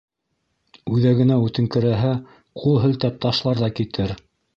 Үҙәгенә үтеңкерәһә, ҡул һелтәп ташлар ҙа китер.